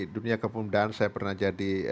dunia kepemudaan saya pernah jadi